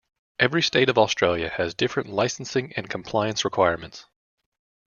Every state of Australia has different licensing and compliance requirements.